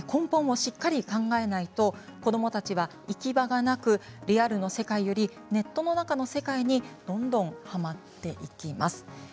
しっかり考えないと子どもたちは行き場がなくてリアルの世界よりネットの中の世界にどんどんはまっていきます。